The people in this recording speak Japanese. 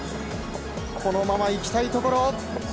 このままいきたいところ。